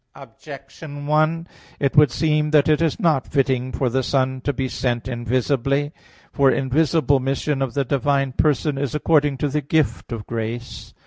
Objection 1: It would seem that it is not fitting for the Son to be sent invisibly. For invisible mission of the divine person is according to the gift of grace.